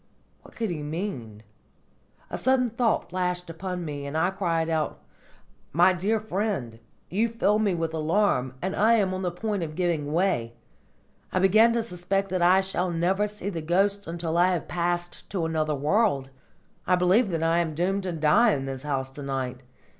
What could he mean? A sudden thought flashed upon me, and I cried aloud: "My dear friend, you fill me with alarm, and I am on the point of giving way! I begin to suspect that I shall never see the ghosts until I have passed to another world. I believe that I am doomed to die in this house to night!